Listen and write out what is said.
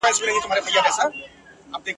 څوک به لیکي پر کیږدیو ترانې د دنګو ښکلیو ..